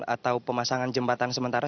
atau pemasangan jembatan sementara